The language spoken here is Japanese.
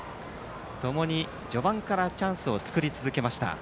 共に序盤からチャンスを作り続けました。